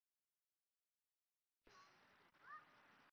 まだまだです